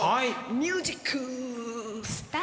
ミュージックスタート！